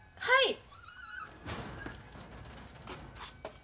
はい。